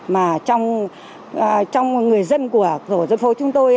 mà trong người dân của dân phố chúng tôi